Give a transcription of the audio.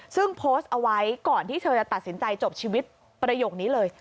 ซึ่งโพสต์เอาไว้ก่อนที่เธอจะตัดสินใจจบชีวิตประโยคนี้เลย